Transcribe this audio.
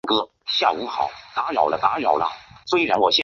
权臣郑检拥立黎除的后裔黎维邦做皇帝。